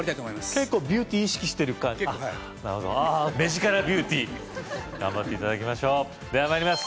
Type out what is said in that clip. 結構ビューティー意識してる結構はいあぁ目力ビューティー頑張って頂きましょうでは参ります